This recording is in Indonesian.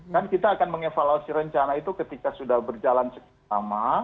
kan kita akan mengevaluasi rencana itu ketika sudah berjalan sekian lama